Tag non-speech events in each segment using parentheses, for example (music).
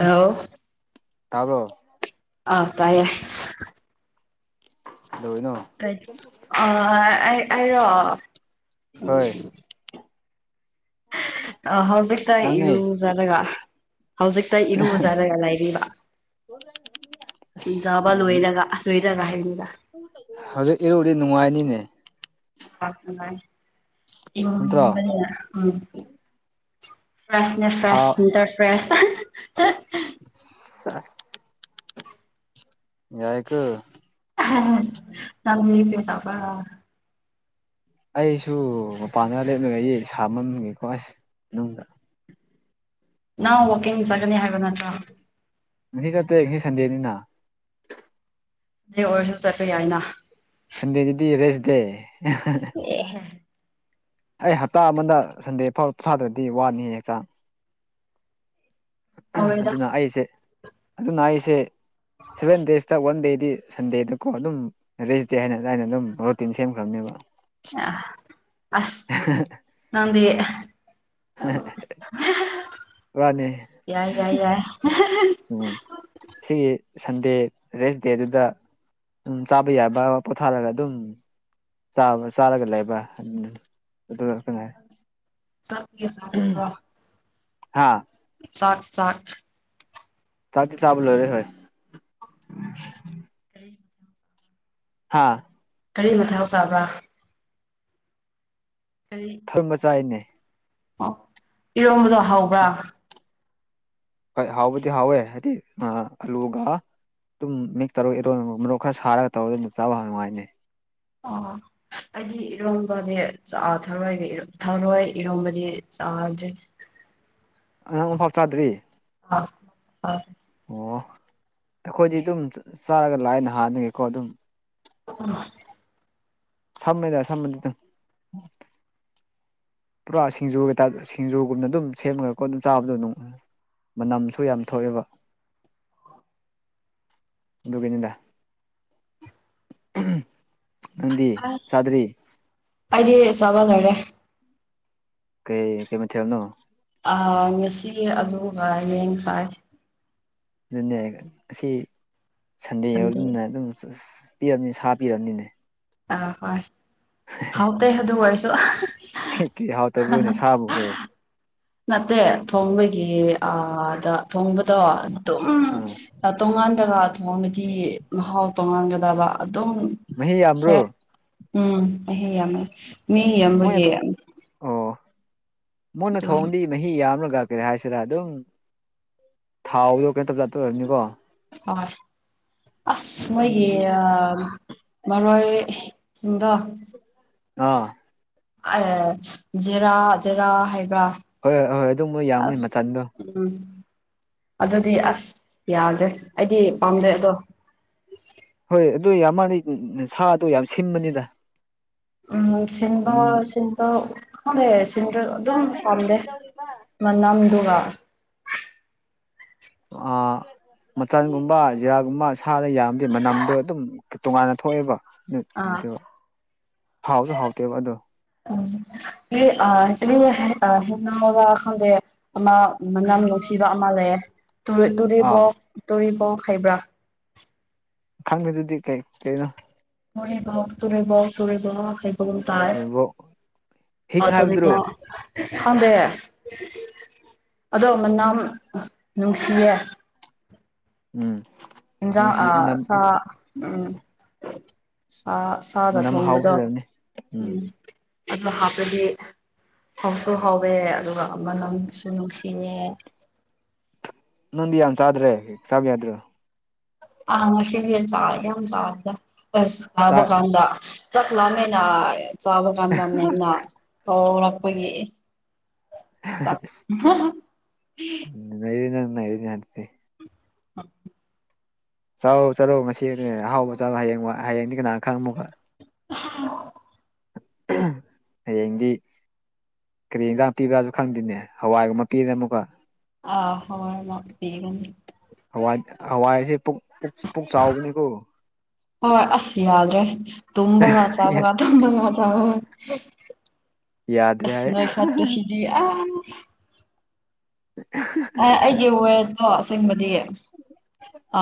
ꯍꯂ ꯇꯥꯕꯣ ꯑꯥ ꯇꯥꯏꯌꯦ ꯑꯗꯨꯔꯤꯅꯣ ꯀꯩ ꯑ ꯑꯩꯔꯣ ꯎ ꯍꯣꯏ ꯑ ꯍꯧꯖꯤꯛꯛꯇ ꯅꯪꯅꯦ ꯏꯔꯨꯖꯅꯒ ꯍꯧꯖꯤꯛꯇ ꯏꯔꯨꯖꯔꯒ ꯂꯩꯔꯤꯕ ꯀꯣꯜꯗ ꯖꯕ ꯂꯣꯏꯔꯒ ꯂꯣꯏꯔꯒ ꯍꯥꯏꯅꯤꯗ ꯍꯧꯖꯤꯛ ꯏꯔꯨꯗꯤ ꯅꯨꯡꯉꯥꯏꯅꯤꯅꯦ ꯥꯏ ꯏ ꯅꯠꯇ꯭ꯔꯣ ꯃꯅꯤ ꯎꯝ ꯐ꯭ꯔꯦꯁꯅꯦ ꯁꯥ ꯐ꯭ꯔꯦꯁ ꯅꯇꯔ ꯐ꯭ꯔꯦꯁ ꯑ ꯌꯥꯏ ꯀ ꯅꯪ ꯄꯦ ꯇꯕ꯭ꯔ ꯑꯩꯁꯨ ꯃꯄꯥꯟꯗ ꯂꯦꯞꯅꯒ ꯌꯦ ꯁꯥꯃꯝꯒꯦꯀꯣ ꯑꯁ ꯃꯅꯨꯡꯗ ꯅꯪ ꯋꯥꯛꯀꯤꯡ ꯆꯠꯒꯅꯤ ꯍꯥꯏꯕ ꯅꯠꯇ꯭ꯔꯣ ꯉ ꯆꯠꯇꯦ ꯉ ꯁꯟꯗꯦꯅꯤꯅ ꯑꯗꯨ ꯑꯣꯏꯔꯁꯨ ꯆꯠꯄ ꯌꯥꯏꯅ ꯊꯟꯗꯦꯗꯨꯗꯤ ꯔꯦꯁꯗꯦ ꯑꯦꯍ ꯑꯩ ꯍꯞꯇꯥ ꯑꯃꯗ ꯁꯟꯗꯦ ꯐꯥꯎ ꯄꯊꯥꯗ꯭ꯔꯗꯤ ꯋꯥꯅꯤ ꯍꯛꯆꯥꯡ ꯍꯧꯔꯣꯏꯗ ꯑꯗꯨꯅ ꯑꯩꯁꯦ ꯑꯗꯨꯅ ꯑꯩꯁꯦ ꯁꯚꯦꯟ ꯗꯦꯖꯇ ꯋꯥꯟ ꯗꯦꯗꯤ ꯁꯟꯗꯦꯗꯀꯣ ꯑꯗꯨꯝ ꯔꯦꯁꯗꯦ ꯍꯥꯏꯅ ꯑꯗꯨꯃꯥꯏꯅ ꯑꯗꯨꯝ ꯔꯨꯇꯤꯟ ꯁꯦꯝꯈ꯭ꯔꯕꯅꯦꯕ ꯑ ꯑꯁ ꯅꯗꯤ ꯋꯥꯅꯤ ꯌꯥꯏ ꯌꯥꯏ ꯌꯥꯏ ꯎꯝ ꯁꯤꯒꯤ ꯁꯟꯗꯦ ꯔꯦꯁ ꯗꯦꯗꯨꯗ ꯎꯝ ꯆꯥꯕ ꯌꯥꯕ ꯄꯣꯊꯥꯔꯒ ꯑꯗꯨꯝ ꯥ ꯆꯥꯔꯒ ꯂꯩꯕ ꯑꯗꯨꯒ ꯀꯩꯅꯣ ꯆ ꯌꯦ ꯁꯥ꯭ꯔ ꯍꯥꯥ ꯆꯥꯛ ꯆꯥꯛ ꯆꯗꯤꯤ ꯆꯥꯕ ꯂꯣꯏꯔꯦ ꯍꯣꯏ ꯀ ꯍꯥꯥ ꯀꯔꯤ ꯃꯊꯊꯧ ꯆꯥꯕ꯭ꯔꯥ ꯀꯩ ꯊꯪ ꯃꯆꯥꯥꯏꯅꯦ ꯑꯣ ꯏꯔꯣꯝꯕꯗꯣ ꯍꯕ꯭ꯔꯥ ꯍꯥꯎ ꯍꯥꯎ ꯍꯥꯏꯗꯤ ꯑꯜꯂꯨꯒ ꯑꯗꯨꯝ ꯃꯤꯛꯁ ꯇꯧꯔꯒ ꯏꯔꯣꯟ ꯃꯔꯣꯔꯣꯛ ꯈꯔ ꯁꯥꯔꯒ ꯇꯧꯔꯒ ꯑꯗꯨꯝ ꯆꯥꯕ ꯐ ꯅꯨꯡꯉꯥꯏꯅꯦ ꯑ ꯑꯩꯗꯤ ꯏꯔꯣꯝꯕꯗꯤ ꯊꯔꯣꯏ ꯊꯥꯔꯣꯏ ꯏꯔꯣꯝꯕꯗꯤ ꯆꯥꯗ꯭ꯔꯦ ꯑꯉꯥꯡ ꯑꯃꯐꯥꯎ ꯆꯥꯗ꯭ꯔꯤ ꯑ ꯍ ꯑꯣ ꯑꯩꯈꯣꯏꯗꯤ ꯑꯗꯨꯝ ꯆꯥꯔꯒ ꯂꯥꯛꯅ ꯍꯥꯟꯅꯉꯀꯣ ꯑꯗꯨꯝ ꯎꯝ ꯁꯝꯃꯦꯗ ꯁꯗꯤꯗ ꯄꯨꯔꯥ ꯁꯤꯡꯖꯨ ꯀꯩꯇꯥ ꯁꯤꯡꯖꯨꯒꯨꯝꯅ ꯑꯗꯨꯝ ꯁꯦꯝꯈ꯭ꯔꯀꯣ ꯑꯗꯨꯝ ꯆꯥꯕꯗꯣ ꯑꯗꯨꯝ ꯃꯅꯝꯁꯨ ꯌꯥꯝ ꯊꯣꯛꯑꯦꯕ ꯗꯨꯕꯤꯅꯤꯗ ꯅꯗꯤ ꯆꯗ꯭ꯔꯤ ꯑꯩꯗꯤ ꯆꯥꯕ ꯂꯣꯏꯔꯦ ꯀꯩ ꯀꯩ ꯃꯊꯕꯅꯣ ꯉꯁꯤ ꯑꯗꯨꯒ ꯌꯦꯌꯦꯡ ꯁꯥꯏ ꯑꯗꯨꯅꯦ ꯑꯁꯤ ꯁꯟꯗꯦ ꯑꯣꯏꯕꯅꯤꯅ ꯑꯗꯨꯝ ꯄꯤꯔꯕꯅꯤ ꯁꯥ ꯄꯤꯔꯕꯅꯤꯅꯦ ꯑꯥ ꯍꯣꯏ ꯍꯥꯎꯇꯦ ꯑꯗꯨ ꯑꯣꯏꯔꯁꯨ ꯍ ꯀ ꯍꯥꯎꯇꯕ꯭ꯔꯣꯅꯦ ꯁꯥꯕꯨ ꯑꯣꯏꯍꯦ ꯅꯠꯇꯦ ꯊꯣꯡꯕꯒꯤ ꯑꯗ ꯊꯣꯡꯕꯗꯣ ꯑꯗꯨꯝ ꯑꯥ ꯇꯣꯉꯥꯟꯂꯒ ꯊꯣꯡꯕꯗꯤ ꯃꯍꯥꯎ ꯇꯣꯡꯉꯥꯟꯒꯗꯕ ꯑꯗꯨꯝ ꯃꯍꯤ ꯁꯦ ꯌꯥꯝ꯭ꯔꯣ ꯎꯝ ꯑꯩ ꯌꯥꯝꯃꯦ ꯃꯤ ꯃꯣꯏꯅ ꯌꯥꯝꯕꯒꯤ ꯃꯨꯅ ꯑꯗꯨꯝ ꯊꯣꯡꯗꯤ ꯃꯍꯤ ꯌꯥꯝꯅꯒꯀ꯭ꯔꯦ ꯍꯥꯏꯁꯤꯔꯥ ꯑꯗꯨꯝ ꯊꯥꯎꯗꯣ ꯀꯩꯅ ꯇ ꯇ ꯑꯣꯏꯔꯅꯤꯀꯣ ꯍꯣꯏ ꯑꯁ ꯃꯣꯏꯦ ꯑꯗꯨꯗꯤ ꯑ ꯃꯔꯣꯏꯁꯤꯡꯗꯣ ꯑꯥ ꯑꯦ ꯖꯦꯔꯥ ꯖꯦꯔꯥ ꯍꯥꯏꯕ꯭ꯔꯥ ꯍꯣꯏ ꯍꯣꯏ ꯍꯣꯏ ꯑꯗꯨꯝꯕ ꯌꯥꯝꯅꯤ ꯑꯁ ꯃꯆꯟꯗꯣ ꯎꯝ ꯑꯗꯨꯗꯤ ꯑꯁ ꯌꯥꯗ꯭ꯔꯦ ꯑꯩꯗꯤ ꯄꯥꯝꯖꯩ ꯑꯗꯣ ꯍꯣꯏ ꯑꯗꯨ ꯌꯥꯝ ꯃꯥꯥꯟꯅꯩ ꯁꯥꯗꯣ ꯌꯥꯝ ꯁꯤꯕꯅꯤꯗ ꯎꯝ ꯁꯤꯟꯕ ꯁꯤꯟꯕ ꯈꯪꯗꯦ ꯁꯤꯟꯕ ꯑꯗꯨꯝ ꯄꯥꯝꯗꯦ ꯃꯅꯝꯗꯨꯒ ꯑ ꯃꯆꯜꯒꯨꯝꯕ ꯖꯤꯔꯥꯒꯨꯝꯕ ꯁꯥꯅ ꯌꯥꯔꯗꯤ ꯃꯅꯝꯗꯣ ꯑꯗꯨꯝ ꯇꯣꯉꯥꯟꯅ ꯊꯣꯛꯑꯦꯕ ꯑꯥ ꯉꯥꯏꯇꯦꯕ ꯍꯥꯎꯁꯨ ꯍꯥꯎꯇꯦꯕ ꯑꯗꯣ ꯎ ꯑ ꯑꯗꯨ ꯍ ꯈꯪꯗꯦ ꯑꯃ ꯃꯅꯝ ꯅꯨꯡꯁꯤꯕ ꯑꯃ ꯂꯩꯌꯦ ꯑꯥ ꯇꯨꯔꯤꯕꯣꯛ ꯇꯨꯔꯤꯕꯣꯛ ꯍꯩꯕ꯭ꯔꯥ ꯈꯪꯕꯦꯗꯨꯗꯤ ꯀꯩ ꯀꯩꯅꯣ ꯇꯨꯔꯦ ꯣ ꯇꯨꯔꯦ ꯣ ꯇꯨꯔꯦ ꯣ ꯇꯔ ꯀꯩꯅꯣ ꯑ ꯍꯤꯡ ꯍꯥꯏꯕꯗꯨꯔꯣ ꯈꯪꯗꯦꯦ ꯑꯗꯣ ꯃꯅꯥꯝ ꯅꯨꯡꯁꯤꯌꯦ ꯎꯝ ꯏꯖ ꯅꯨꯡꯁꯤ ꯑ ꯃꯅꯝ ꯁꯥ ꯎꯝ ꯑ ꯆꯥꯗ ꯃꯅꯝ ꯍꯥꯎꯕꯁꯨ ꯊꯣꯡꯕꯗꯣ ꯂꯩꯕꯅꯤ ꯎꯝ ꯑꯗꯨ ꯍꯥꯞꯄꯗꯤ ꯍꯥꯎꯁꯨ ꯍꯥꯎꯋꯦ ꯑꯗꯨꯒ ꯑꯃꯅꯝꯁꯨ ꯅꯨꯡꯁꯤꯉꯦ ꯅ ꯌꯟ ꯆꯗ꯭ꯔꯦ ꯁꯥꯕ ꯌꯥꯗ꯭ꯔꯣ ꯑ ꯃꯁꯦ ꯆꯥ ꯌꯥꯝ ꯆꯥꯗ ꯆꯥ ꯆꯕ ꯀꯥꯟꯗ ꯆꯠꯂꯃꯦꯅ ꯆꯥꯕ ꯀꯥꯟꯗ ꯃꯦꯝꯅ ꯇꯧꯔꯛꯄꯒꯤ ꯅ ꯅ ꯍꯥꯏꯦ (unintelligible) ꯆꯥꯛꯎ ꯆꯥꯛꯔꯧ ꯃꯁꯤꯅꯦ ꯑꯍꯥꯎꯕ ꯆꯥꯛꯔꯣ ꯍꯌꯦꯡꯃꯛ ꯍꯌꯦꯡꯗꯤ ꯀꯅꯥꯅ ꯈꯪꯃꯨꯣꯒ ꯎꯝ ꯍꯗꯤ ꯀꯔꯤ ꯌꯦꯟꯖꯥꯡ ꯄꯤꯕ꯭ꯔꯥꯁꯨ ꯈꯪꯗꯦꯅꯦ ꯍꯋꯥꯏꯒꯨꯝꯕ ꯄꯤꯗꯅ ꯑꯃꯨꯛꯀ ꯑ ꯍꯣꯏ ꯄꯤꯒꯅꯤ ꯍꯋꯥ ꯍꯋꯥꯏꯁꯦ ꯄꯨꯛ ꯆꯥꯎꯕꯅꯤꯀꯣ ꯍꯣꯏ ꯑꯁ ꯌꯥꯗ꯭ꯔꯦ ꯇꯨꯝꯕꯒ ꯆꯥꯕꯒ ꯇꯨꯝꯕꯒ ꯆꯥꯕꯒ ꯌꯥꯗ꯭ꯔꯦ ꯑꯁ ꯍꯥꯏ ꯅꯣꯏ ꯐꯠꯠꯇ ꯁꯤꯗꯤ (inaudible) ꯑꯦ ꯑꯩꯒꯤ ꯋꯦꯔꯗꯣ ꯑꯁꯦꯡꯕꯗꯤ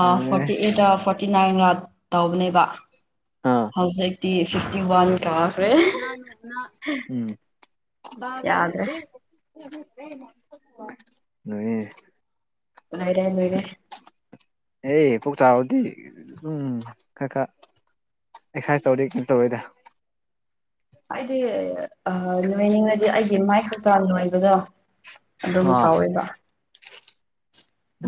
ꯑꯦ ꯐꯣꯔꯇꯤ ꯑꯩꯠꯇ ꯐꯣꯔꯇꯤ ꯅꯥꯏꯟꯒ ꯇꯧꯕꯅꯦꯕ ꯍꯧꯥꯎꯁꯛꯇꯤ ꯐꯤꯐꯇꯤ ꯋꯥꯟ ꯀꯥꯈ꯭ꯔꯦ ꯅꯣꯡꯅꯥ ꯅꯣꯡꯅꯥ ꯒ ꯌꯥꯗ꯭ꯔꯦ ꯍꯥꯏꯗ (inaudible) ꯅ (inaudible) ꯅꯣꯢꯔꯦ ꯅꯣꯢꯔꯦ ꯑꯦ ꯀꯣꯛ ꯆꯥꯔꯗꯤ ꯎꯝ ꯈꯔ ꯈꯔ ꯑꯦꯛꯁꯔꯁꯥꯏꯁ ꯇꯧꯔꯦ ꯀꯩꯅꯣ ꯇꯧꯔꯦꯗ ꯑꯩꯗꯤ ꯅꯣꯏꯅꯤꯡꯅꯗꯤ ꯑꯩꯒꯤ ꯃꯥꯏ ꯈꯛꯇꯥꯡ ꯅꯣꯏꯕꯗꯣ ꯑꯗꯨꯝ ꯑꯥ ꯀꯧꯋꯦꯕ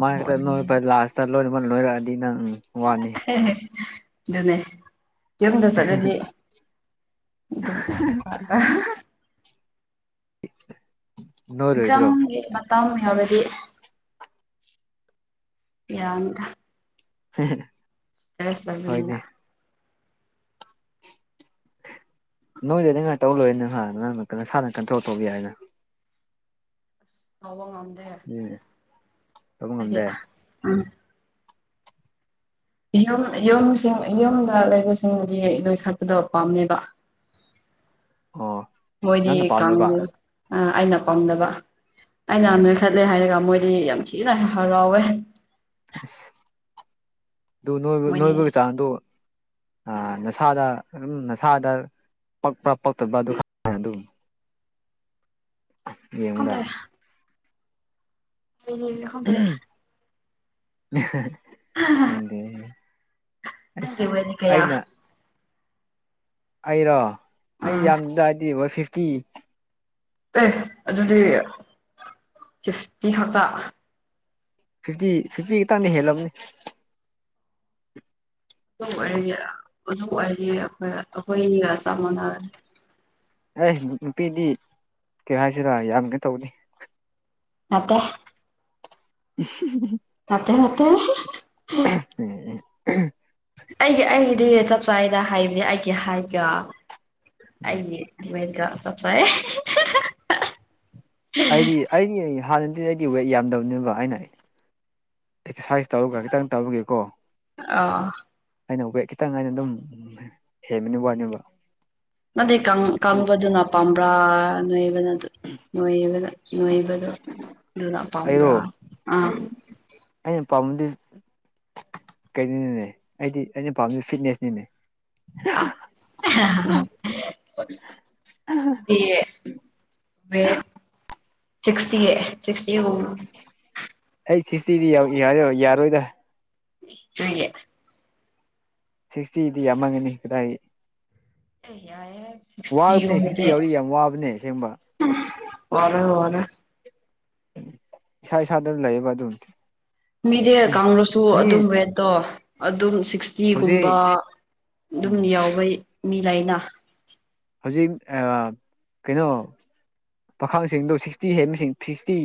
ꯃꯥꯥꯏꯛꯇ ꯅꯣꯏ ꯐ ꯂꯥꯁꯇ ꯂꯣꯏꯔꯃ ꯅꯣꯏꯔꯛꯑꯗꯤ ꯅꯪ ꯋꯥꯅꯤ ꯑꯗꯨꯅꯦ ꯌꯨꯝꯗ ꯆꯠꯂꯗꯤ ꯑꯗꯨꯝ ꯅꯣꯏꯔꯣꯏꯗ꯭ꯔꯣ ꯑꯦꯛꯖꯥꯝꯒꯤ ꯃꯇꯥꯡ ꯌꯥꯎꯔꯗꯤ ꯌꯥꯔꯃꯤꯗ ꯍ (inaudible) ꯁꯁ ꯂꯔꯕꯅꯤꯂ (inaudible) ꯅꯣꯏꯗ ꯅ ꯉꯥꯏꯇꯧ ꯂꯣꯏ ꯅꯪꯍꯥꯟ ꯅꯪꯥꯡ ꯉꯛꯇ ꯅꯁꯥꯅ ꯀꯟꯇ꯭ꯔꯣꯜ ꯇꯧꯕꯤ ꯌꯥꯏꯅ ꯑꯁ ꯐꯥꯎꯕ ꯉꯝꯗꯦ ꯑꯗꯨꯅꯦ ꯇꯧꯕ ꯍꯥꯏꯗꯤ ꯉꯝꯗꯦ ꯌꯨꯝ ꯌꯨꯝꯁꯤꯡ ꯌꯨꯝꯗ ꯂꯩꯕꯁꯤꯡꯕꯨꯗꯤ ꯅꯣꯏ ꯈꯠꯄꯗꯕ ꯄꯥꯝꯅꯦꯕ ꯑꯣ ꯃꯣꯏꯗꯤ ꯅꯪꯅ ꯄꯥꯝꯗꯕ ꯑꯩꯅ ꯄꯥꯝꯅꯕ ꯑꯩꯅ ꯎꯝ ꯅꯣꯏ ꯍꯥꯏꯔꯒ ꯃꯣꯏꯗꯤ ꯌꯥꯝ ꯊꯤꯅ ꯍꯔꯥꯎꯋꯦ ꯑꯁ ꯑꯗꯨꯣꯏꯕ ꯃꯣꯏꯗꯤ ꯅꯣꯏꯕꯒꯤ ꯆꯥꯡꯗꯨ ꯅꯁꯥꯗ ꯑꯗꯨꯝ ꯅꯁꯥꯗ ꯄꯛꯄ꯭ꯔꯥ ꯄꯛꯇꯕ꯭ꯔꯥ ꯑꯗꯨ ꯑꯗꯨꯝ ꯌꯦꯉꯨꯗ ꯈꯪꯗꯦ ꯗꯤ ꯍꯗ (inaudible) ꯈꯟꯗꯦ ꯑꯁ ꯅꯪꯒꯤ ꯋꯦꯠꯗꯤ ꯀꯌꯥ ꯑꯩꯅ ꯑꯩꯔꯣ ꯑꯩ ꯎꯝ ꯌꯥꯝꯗꯗꯤ ꯍꯣꯏ ꯐꯤꯐꯇꯤ ꯑꯦ ꯑꯗꯨꯗꯤ ꯐꯤꯐꯇꯤ ꯈꯛꯇ ꯐꯤꯐꯇꯤ ꯐꯤꯐꯇꯤ ꯈꯛꯇꯪꯗ ꯍꯦꯜꯂꯝꯕꯅꯤ ꯑꯗꯨ ꯑꯣꯏꯔꯌꯦ ꯑꯗꯨ ꯑꯣꯏꯔꯗꯤ ꯑꯩꯈꯣꯏ ꯑꯩꯈꯣꯏ ꯑꯅꯤꯒ ꯆꯞ ꯃꯥꯟꯅꯔꯅꯤ ꯑꯦ ꯅꯨꯄꯤꯗꯤ ꯀꯩ ꯍꯥꯏꯁꯤꯔꯥ ꯌꯥꯝꯅ ꯇꯧꯗꯦ ꯅꯠꯇꯦ (inaudible) ꯊꯀꯦ ꯇꯀꯦ ꯎꯝ (inaudible) ꯑꯩꯒꯤ ꯑꯩꯒꯤꯗꯤ ꯆꯞ ꯆꯥꯅ ꯍꯥꯏꯕꯁ ꯑꯩꯒꯤ ꯍꯥꯏꯒꯦ ꯎꯝ ꯑꯌꯦ ꯑꯃꯔꯤꯀꯥ ꯆꯠꯁꯦ ꯑꯩꯗꯤ ꯑꯩꯗꯤ ꯍꯥꯟꯅꯗꯤ ꯑꯩꯗꯤ ꯋꯦꯠ ꯌꯥꯝꯗꯕꯅꯦꯕ ꯑꯩꯅ ꯑꯦꯛꯁꯔꯁꯥꯏꯁ ꯇꯧꯔꯒ ꯈꯤꯇꯪ ꯇꯧꯔꯒꯦꯀꯣ ꯑ ꯑꯩꯅ ꯋꯦꯠ ꯈꯤꯇꯪ ꯑꯩꯅ ꯑꯗꯨꯝ ꯍꯦꯟꯕꯅꯤ ꯋꯥꯅꯦꯕ ꯑꯗꯦ ꯀ ꯀꯪꯝꯕ ꯑꯗꯨꯅ ꯄꯝꯕ꯭ꯔꯥ ꯅꯣꯏꯕꯅ ꯅꯣꯏꯕꯗ ꯅꯣꯏꯕꯗꯣ ꯑꯗꯨꯅ ꯑꯩꯔꯣ ꯄꯥꯝꯕ꯭ꯔꯥ ꯑꯥ ꯑꯩꯅ ꯄꯥꯝꯕꯗꯤ ꯀꯩꯅꯤꯅꯦ ꯑꯩꯗꯤ ꯑꯩꯅ ꯄꯥꯝꯃꯤ ꯐꯤꯠꯅꯦꯁꯅꯤꯅꯦ ꯑ ꯑꯗꯨꯗꯤ ꯃꯦ ꯁꯤꯁꯇꯤ ꯁꯤꯁꯇꯤ ꯀ ꯑꯩ ꯁꯤꯇꯗꯤ ꯌꯥ ꯌꯥꯔꯣꯏꯗ ꯁꯤꯒꯦ ꯁꯤꯛꯁꯇꯤꯗꯤ ꯌꯥꯝꯃꯒꯅꯤ ꯀꯗꯥꯏ ꯑꯦ ꯌꯥꯏꯌꯦ ꯋꯥꯕꯅꯦ ꯁꯤꯛꯁꯇꯤ ꯁꯤꯛꯁꯇꯤꯒꯨꯝꯕꯗꯤ ꯌꯥꯎꯔꯤ ꯌꯥꯝ ꯋꯥꯕꯅꯦ ꯑꯁꯦꯡꯕ ꯑꯣꯏꯔ ꯋꯥꯔ ꯁꯥꯏ ꯁꯥꯗꯔ ꯂꯩꯑꯌꯦꯕ ꯑꯗꯨꯟ ꯃꯤꯗꯤ ꯀꯥꯡꯂꯨꯞꯁꯨ ꯑꯗꯨꯝ ꯋꯦꯠꯇꯣ ꯑꯗꯨꯝ ꯁꯤꯛꯁ ꯖꯤꯒꯨꯝꯕ ꯍꯧꯖꯤꯛ ꯑꯗꯨꯝ ꯎꯝ ꯌꯥꯎꯕ ꯃꯤ ꯂꯥꯏꯅ ꯍꯧꯖꯤꯛ ꯀꯩꯅꯣ ꯄꯥꯈꯪꯁꯤꯡꯗꯣ ꯁꯤꯛꯁꯇꯤ ꯍꯦꯟꯕꯁꯤꯡ ꯁꯤꯛꯁꯇꯤ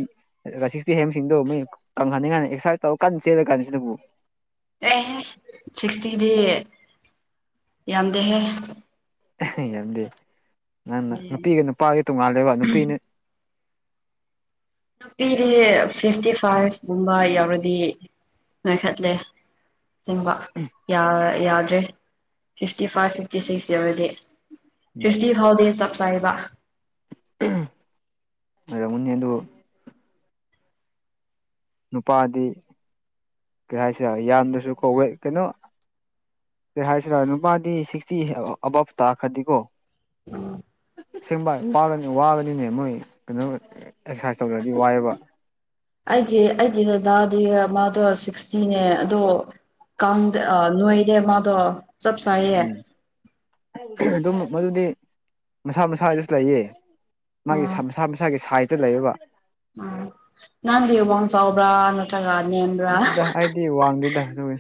ꯁꯤꯁꯇꯤ ꯍꯦꯝꯁꯤꯡꯗꯣ ꯃꯣꯏ ꯀꯪꯍꯟꯅꯤꯡ ꯀꯥꯏꯗ ꯑꯦꯛꯁꯔꯁꯥꯏꯁ ꯇꯧꯔ ꯀꯥꯟ ꯆꯦꯜꯠꯂꯀꯥꯟꯅꯤꯁꯤꯗꯕꯨ ꯑꯦꯍꯦ ꯁꯤꯛꯁꯇꯤꯗꯤ ꯌꯥꯝꯗꯦꯍꯦ ꯌꯥꯝꯗꯤꯦ ꯅꯪꯅ ꯌꯥꯝꯗꯦ ꯌꯥꯝꯗꯦ ꯅꯨꯄꯤꯒ ꯅꯨꯄꯥꯒꯤ ꯇꯣꯡꯉꯥꯜꯂꯦꯕ ꯅꯨꯄꯤꯅ ꯅꯨꯄꯤꯗꯤ ꯐꯤꯐꯇꯤ ꯐꯥꯏꯚꯒꯨꯝꯕ ꯌꯥꯎꯔꯗꯤ ꯉꯥꯏꯈꯠꯂꯦ ꯁꯤꯕ ꯌꯥꯗ꯭ꯔꯦ ꯐꯤꯐꯇꯤ ꯐꯥꯏꯚ ꯐꯤꯐꯇꯤ ꯁꯤꯛꯁ ꯌꯔꯗꯤ ꯎꯝ ꯐꯤꯐꯇꯤ ꯐꯥꯎꯖꯞꯥꯏꯕ ꯔꯃꯨꯅꯤ ꯑꯗꯨ ꯅꯨꯄꯥꯗꯤ ꯀꯩ ꯍꯥꯏꯁꯦ ꯌꯥꯝꯗ꯭ꯔꯁꯨ ꯀꯧꯋꯦ ꯀꯩꯅꯣ ꯀꯩ ꯍꯥꯏꯁꯤꯔꯥ ꯅꯨꯄꯥꯗꯤ ꯁꯤꯛꯁꯇꯤ ꯑꯕꯞ ꯇꯥꯈ꯭ꯔꯗꯤꯀꯣ ꯁꯦꯝꯕ ꯋꯥꯒꯅꯤꯅꯦ ꯃꯣꯏ ꯀꯩꯅꯣ ꯑꯦꯛꯁꯔꯁꯥꯏꯁ ꯇꯧꯗ꯭ꯔꯗꯤ ꯋꯥꯏꯑꯦꯕ ꯑꯩꯒꯤ ꯑꯩꯒꯤ ꯗꯗꯥꯗꯤ ꯃꯥꯗꯣ ꯁꯤꯛꯁꯇꯤꯅꯦ ꯑꯗꯣ ꯀꯥꯡꯗꯦ ꯑ ꯅꯣꯏꯩꯗꯦ ꯃꯥꯗꯣ ꯆꯞ ꯆꯥꯏꯌꯦ ꯎꯝ ꯑꯗꯨꯝ ꯃꯗꯨꯗꯤ ꯃꯁꯥ ꯃꯁꯥ ꯍꯥꯏꯗꯨꯁꯨ ꯂꯩꯌꯦ ꯃꯥꯒꯤ ꯑꯥ ꯃꯁꯥ ꯃꯁꯥꯒꯤ ꯁꯥꯏꯖꯇ ꯂꯩꯕ ꯎꯝ ꯅꯥꯟ ꯗꯦꯕꯪꯁ ꯑꯣꯕ꯭ꯔꯥꯅ ꯑꯗꯨꯗ ꯑꯩꯗꯤ ꯋꯥꯡꯗꯦꯗ ꯇꯋꯏ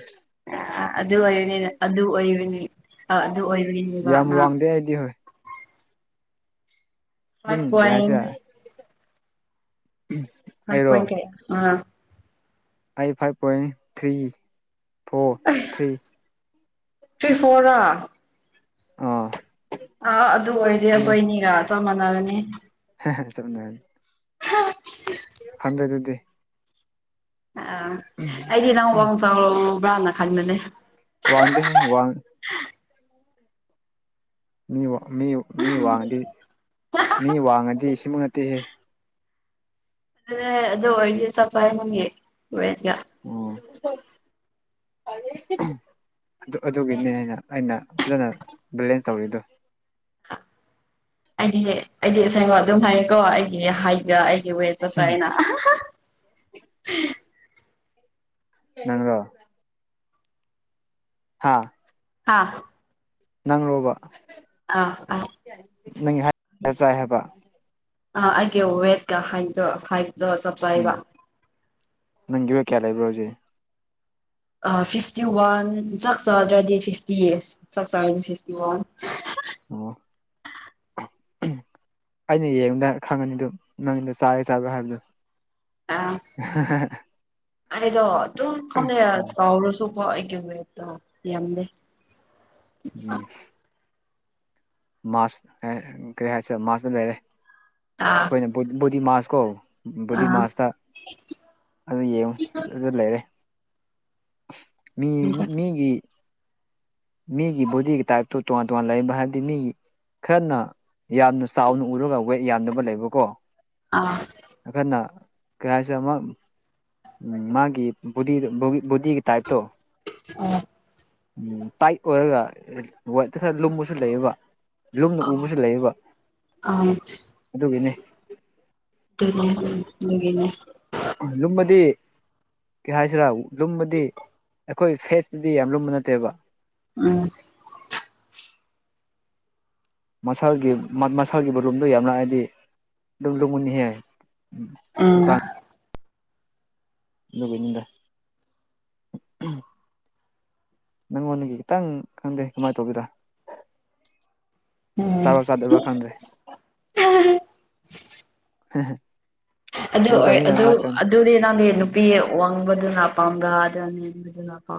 ꯑꯗꯨ ꯑꯣꯏꯕꯅꯤ ꯑꯗꯨ ꯑꯣꯏꯕꯅꯤ ꯑ ꯑꯗꯨ ꯌꯥꯝ ꯑꯣꯏꯕꯅꯤꯅꯦꯕꯅ ꯋꯥꯡꯗꯦ ꯑꯩꯗꯤ ꯍꯣꯏ ꯑꯗꯨꯝ ꯐꯥꯏꯚ ꯄꯣꯏꯟ ꯀꯁꯤ ꯎꯝ ꯍ ꯀꯣꯏ ꯀ ꯑ eight five point three four three ꯇ꯭ꯔꯤꯐꯣꯔꯥ ꯑꯥ ꯑꯥ ꯑꯗꯨ ꯑꯣꯏꯔꯗꯤ ꯑꯩꯈꯣꯏꯅꯤꯒ ꯆꯞ ꯃꯥꯟꯅꯒꯅꯤ ꯍ ꯆꯅꯤ ꯈꯟꯗꯩ ꯑꯗꯨꯗꯤ ꯑꯥ ꯑꯩꯗꯤ ꯅꯪ ꯋꯥꯡ ꯆꯥꯎꯕ꯭ꯔꯅ ꯈꯪꯅꯅꯦ ꯋꯥꯥꯡꯗꯦ ꯍꯥꯏꯦ ꯋꯥ ꯃꯤ ꯃꯤ ꯋꯥꯡꯉꯗꯤ ꯃꯤ ꯋꯥꯡꯉꯗꯤ ꯁꯤꯃ ꯅꯠꯇꯦꯍꯦ ꯑꯦ ꯑꯗꯨ ꯍꯗꯤ ꯁꯐꯥꯏ ꯅꯪꯒꯤ ꯎꯒ ꯑꯣ ꯑꯗꯨ ꯑꯩ ꯑꯗꯨꯒꯤꯅꯦ ꯍꯥꯏꯅ ꯑꯩꯅ ꯐꯖꯅ ꯕꯦꯂꯦꯟꯁ ꯇꯧꯔꯤꯗꯣ ꯑꯩꯗꯤ ꯑꯩꯗꯤ ꯁꯦꯡꯉꯣ ꯑꯗꯨꯝ ꯍꯥꯏꯌꯦꯀꯣ ꯑꯩꯒꯤ ꯍꯥꯏꯖ ꯑꯩꯒꯤ ꯋꯦꯠ ꯆꯞ ꯆꯥ ꯑꯩꯅ ꯅꯪꯒꯣ ꯍꯥꯥ ꯍꯥꯥ ꯅꯪꯔꯣꯕ ꯑꯥ ꯑꯥ ꯅꯪꯒꯤ ꯍꯥꯏꯞ ꯆꯥꯏ ꯍꯥꯏꯕ ꯑꯥ ꯑꯩꯗꯤ ꯋꯦꯗꯀ ꯍꯥꯏꯗꯣ ꯍꯥꯏꯗꯣ ꯁ ꯎꯝ ꯅꯪ ꯋꯦꯠ ꯀꯌꯥ ꯂꯩꯕ꯭ꯔꯣ ꯍꯧꯖꯤꯛ ꯐꯤꯐꯇꯤ ꯋꯥꯟ ꯆꯥꯛ ꯆꯥꯗ꯭ꯔꯗꯤ ꯐꯤꯐꯇꯤ ꯆꯥꯛ ꯆꯥꯔꯗꯤ ꯐꯤꯐꯇꯤ ꯋꯥꯟ ꯑꯣ ꯑꯩꯅ ꯌꯦꯡꯕꯗ ꯈꯪꯉꯅꯤꯗ ꯅꯪꯗꯣ ꯆꯥꯔꯦ ꯆꯥꯕ꯭ꯔꯥ ꯍꯥꯏꯕꯗꯣ ꯑꯥ ꯑꯩꯗꯣ ꯑꯗꯨꯝ ꯈꯪꯗꯦ ꯎꯝ ꯆꯥꯎꯔꯨꯁꯨꯀꯣ ꯑꯩꯒꯤ ꯋꯦꯠꯇꯣ ꯌꯥꯝꯗꯦ ꯎꯝ ꯃꯥꯁ ꯀꯔꯤ ꯍꯥꯏꯔꯦ ꯃꯥꯁꯇ ꯂꯩꯔꯦ ꯑꯥ ꯑꯩꯈꯣꯏꯅ ꯕꯣꯗꯤ ꯃꯥꯁ ꯀꯣ ꯕꯣꯗꯤ ꯑꯥ ꯃꯥꯁꯇ ꯑꯗꯨ ꯌꯦꯡꯉꯒ ꯑꯗꯨ ꯂꯩꯔꯦ ꯃꯤ ꯃꯤꯒꯤ ꯃꯤꯒꯤ ꯕꯣꯗꯤꯒꯤ ꯇꯥꯏꯞꯇꯨ ꯇꯣꯉꯥꯟ ꯇꯣꯉꯥꯟꯅ ꯂꯩꯔꯝꯕ ꯍꯥꯏꯕꯗꯤ ꯃꯤꯒꯤ ꯈꯔꯅ ꯌꯥꯝꯅ ꯆꯥꯎꯅ ꯎꯔꯒ ꯋꯦꯠ ꯌꯥꯕ ꯂꯩꯕꯀꯣ ꯑꯥ ꯑꯩꯈꯅ ꯀꯩ ꯍꯥꯏꯁꯤꯔꯥ ꯑꯃ ꯎ ꯃꯥꯒꯤ ꯕꯣ ꯕꯣꯗꯤꯒꯤ ꯇꯥꯏꯞꯇꯣ ꯎꯝ ꯇꯥꯏꯠ ꯑꯣꯏꯔꯒ ꯈꯔ ꯂꯨꯝꯕꯁꯨ ꯂꯩꯌꯦꯕ ꯂꯨꯝꯅ ꯎꯕꯁꯨ ꯂꯩꯌꯦꯕ ꯑꯥ ꯑꯗꯨꯒꯤꯅꯤ ꯑꯗꯨꯅꯦ ꯎꯝ ꯑꯗꯨꯒꯤꯅꯦ ꯂꯨꯝꯃꯗꯤ ꯀꯩ ꯍꯥꯏꯁꯤꯔꯥ ꯂꯨꯝꯕꯗꯤ ꯑꯩꯈꯣꯏ ꯐꯦꯁꯇꯗꯤ ꯌꯥꯝ ꯂꯨꯝꯕ ꯅꯠꯇꯦꯕ ꯎꯝ ꯃꯁꯥꯒꯤ ꯃꯁꯥꯒꯤꯕꯨ ꯔꯨꯝꯗꯣ ꯌꯥꯝꯅ ꯍꯥꯏꯗꯤ ꯑꯗꯨꯝ ꯂꯨꯃꯝꯅꯤꯍꯦ ꯎꯝ ꯑꯗꯨꯒꯤꯅꯤꯗ ꯅꯪꯉꯣꯟꯗꯒꯤ ꯈꯤꯇꯪ ꯈꯪꯗꯦ ꯀꯃꯥꯏꯅ ꯇꯧꯕꯤꯗꯔꯥ ꯎꯝ (inaudible) (unintelligible) ꯑꯗꯨ ꯑꯣꯏ ꯎꯗꯕꯅꯤꯅ ꯑꯗꯨ ꯀꯃꯥꯏꯅ ꯑꯗ ꯇꯧꯅꯤ ꯑꯗꯨꯗꯤ ꯅꯪꯗꯤ ꯎꯝ ꯅꯨꯄꯤ ꯋꯥꯡꯕꯗꯨꯅ ꯄꯥꯝꯕ꯭ꯔꯥ ꯅꯦꯝꯕꯗꯨꯅ ꯄꯥꯝꯕ꯭ꯔꯥ